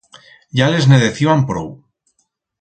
Ya les ne deciban prou.